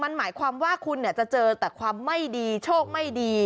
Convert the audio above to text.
มันหมายความว่าคุณจะเจอแต่ความไม่ดีโชคไม่ดี